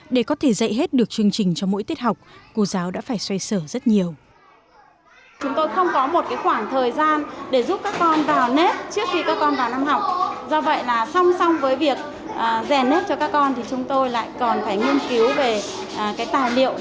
để có thể dạy hết được chương trình cho mỗi tiết học cô giáo đã phải xoay sở rất nhiều